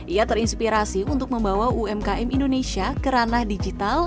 ia terinspirasi untuk membawa umkm indonesia ke ranah digital